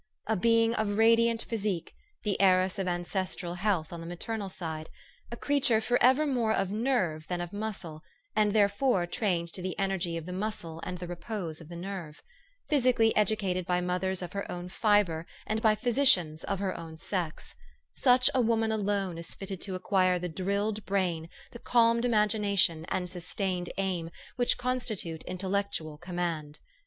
A being of radiant physique ; the heiress of ancestral health on the maternal side ; a creature forever more of nerve than of muscle, and therefore trained to the energy of the muscle and the repose of the nerve ; physically educated by mothers of her own fibre and by physicians of her own sex, such a woman alone is fitted to acquire the drilled brain, the calmed imagination, and sustained aim, which constitute intellectual command.